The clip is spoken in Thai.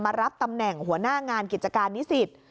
รับตำแหน่งหัวหน้างานกิจการนิสิต